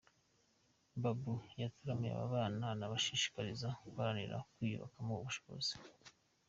Babou yataramiye aba bana, anabashishikarije guharanira kwiyubakamo ubushobozi.